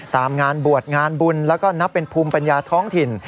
ตามงานบวชงานบุญแล้วก็นับเป็นภูมิปัญญาท้องถิ่น